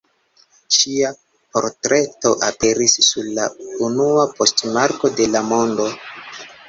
Ŝia portreto aperis sur la unua poŝtmarko de la mondo.